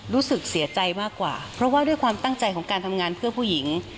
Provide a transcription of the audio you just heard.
รู้สึกเสียใจมากกว่าเพราะว่าด้วยความตั้งใจของการทำงานเพื่อผู้หญิง